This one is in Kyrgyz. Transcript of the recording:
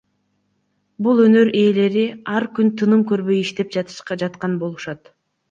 Бул өнөр ээлери ар күнү тыным көрбөй иштеп жаткан болушат.